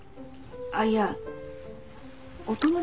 あっいやお友達？